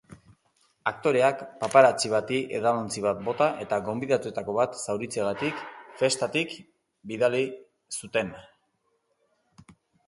Aktoreak papparazzi bati edalontzi bat bota eta gonbidatuetako bat zauritzeagatik festatik bidali zuten.